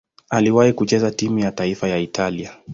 Aliwahi kucheza timu ya taifa ya Italia.